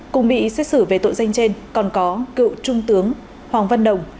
cùng bị xét xử về tội danh trên còn có cựu trung tướng hoàng văn đồng